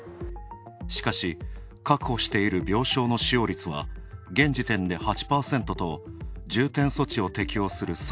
しかし、確保している病床の使用率は現時点で８％と重点措置を適用する